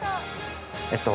えっと。